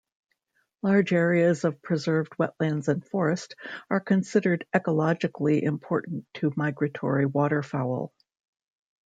Large areas of preserved wetlands and forest are considered ecologically important to migratory waterfowl.